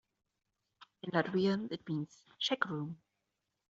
In Latvian, it means "checkroom".